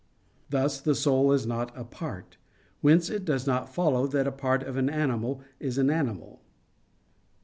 Thus the soul is not in a part. Whence it does not follow that a part of an animal is an animal.